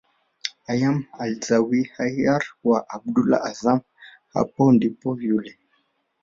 Ayman Alzawahiri wa Abdullah Azzam hapo ndipo yule